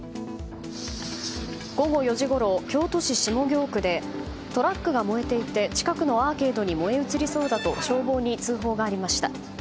午後４時ごろ京都市下京区でトラックが燃えていて近くのアーケードに燃え移りそうだと消防に通報がありました。